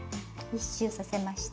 １周させました。